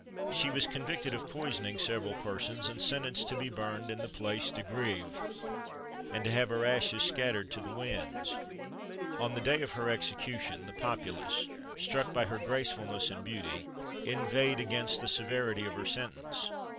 She was convicted of poisoning several persons, and sentenced to be burned in the Place de Grève, and to have her ashes scattered to the winds. On the day of her execution, the populace, struck by her gracefulness and beauty, inveighed against the severity of her sentence.